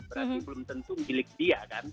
berarti belum tentu milik dia kan